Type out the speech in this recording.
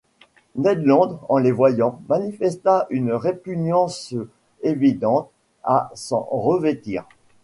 Ned Land, en les voyant, manifesta une répugnance évidente à s’en revêtir.